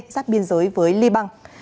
giáp biên giới với liban